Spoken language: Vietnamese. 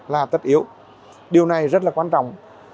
là tất yếu điều này rất là quan trọng